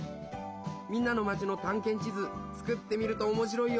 みんなの町のたんけん地図作ってみるとおもしろいよ！